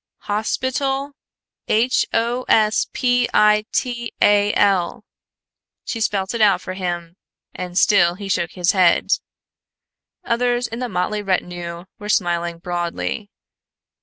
Hospital h o s p i t a l," she spelt it out for him, and still he shook his head. Others in the motley retinue were smiling broadly.